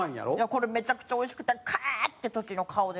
これめちゃくちゃおいしくてクーッ！って時の顔ですね。